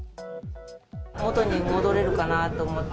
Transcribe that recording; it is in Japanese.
元に戻れるかなと思って。